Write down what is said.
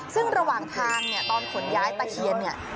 ซึ่งระหว่างทางเนี่ยตอนขนย้ายตะเคียนเนี่ย